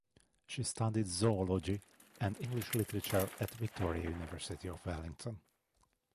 She studied zoology and English literature at Victoria University of Wellington.